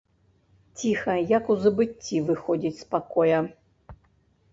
Ціха, як у забыцці, выходзіць з пакоя.